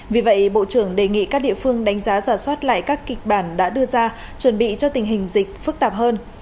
vì vậy bộ trưởng đề nghị các địa phương đánh giá giả soát lại các kịch bản đã đưa ra chuẩn bị cho tình hình dịch phức tạp hơn